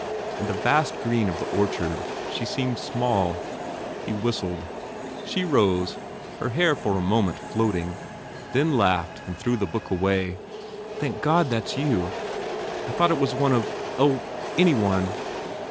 In the vast green of the orchard she seemed small. He whis tled. She rose, her hair for a moment floating, then laughed and threw the book away. Thank God, that s you! I thought it was one of O, any one!"